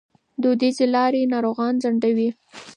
دودیزې لارې ناروغان ځنډوي.